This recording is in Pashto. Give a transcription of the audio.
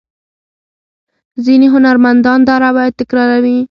ځینې هنرمندان دا روایت تکراروي.